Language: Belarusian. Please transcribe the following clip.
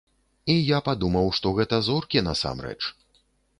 І я падумаў, што гэта зоркі, насамрэч.